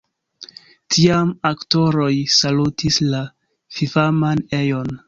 Tiam aktoroj salutis la fifaman ejon.